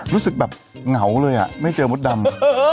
รู้สึกแบบเหงาเลยอ่ะไม่เจอมดดำ